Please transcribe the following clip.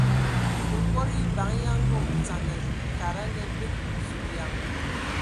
Nkod eban ya Ngondzanga tada a ngalig Zulǝyan!